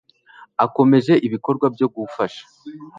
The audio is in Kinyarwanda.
akomeje ibikorwa byo gufasha